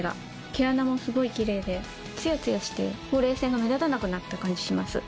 毛穴もすごいキレイでツヤツヤしてほうれい線が目立たなくなった感じします。